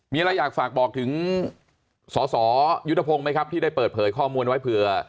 มีอะไรอยากฝากบอกถึงสสยุทธพงศ์ไหมครับที่ได้เปิดเผยข้อมูลไว้เผื่อ